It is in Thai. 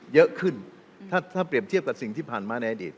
เยอะขึ้นถ้าเปรียบเทียบกับสิ่งที่ผ่านมาในอดีต